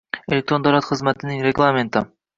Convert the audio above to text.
elektron davlat xizmatining reglamenti